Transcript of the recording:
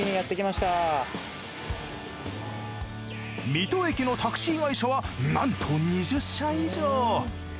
水戸駅のタクシー会社はなんと２０社以上。